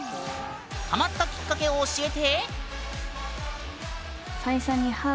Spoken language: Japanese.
ハマったきっかけを教えて！